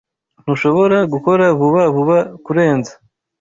Ntushobora gukora vuba vuba kurenza?